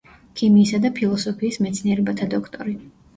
ქიმიისა და ფილოსოფიის მეცნიერებათა დოქტორი.